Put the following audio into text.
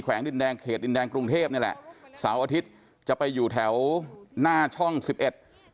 ดินแดงเขตดินแดงกรุงเทพนี่แหละเสาร์อาทิตย์จะไปอยู่แถวหน้าช่องสิบเอ็ด